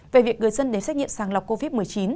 về việc người dân đến xét nghiệm sàng lọc covid một mươi chín